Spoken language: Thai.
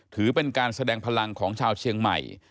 ถือเป็นการแสดงพลังของชาวเชียงใหม่